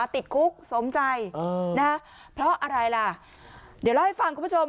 ติดคุกสมใจนะเพราะอะไรล่ะเดี๋ยวเล่าให้ฟังคุณผู้ชม